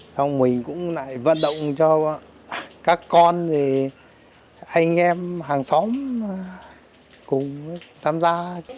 thì mình cũng lại vận động cho các con anh em hàng xóm cùng tham gia